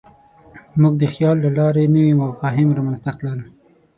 موږ د خیال له لارې نوي مفاهیم رامنځ ته کړل.